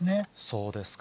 そうですか。